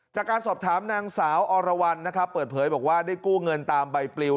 จากการสอบถามนางสาวอรวรรณนะครับเปิดเผยบอกว่าได้กู้เงินตามใบปลิว